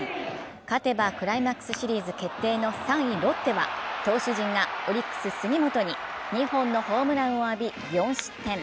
勝てばクライマックスシリーズ決定の３位・ロッテは投手陣がオリックス・杉本に２本のホームランを浴び、４失点。